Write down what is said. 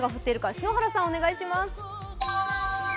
篠原さん、お願いします。